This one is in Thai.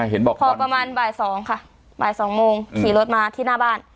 บอกพอประมาณบ่าย๒ค่ะบ่ายสองโมงขี่รถมาที่หน้าบ้าน